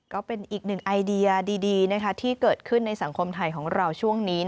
ก็เป็นอีกหนึ่งไอเดียดีที่เกิดขึ้นในสังคมไทยของเราช่วงนี้